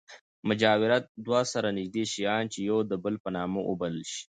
مجاورت دوه سره نژدې شیان، چي يو د بل په نامه وبلل سي.